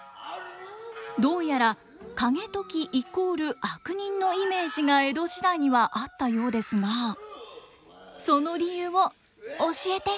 どうやら景時イコール悪人のイメージが江戸時代にはあったようですがその理由を教えて！